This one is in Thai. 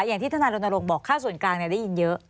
อย่างที่ท่านโดนโลกบอกค่าส่วนกลางเนี่ยได้ยินเยอะ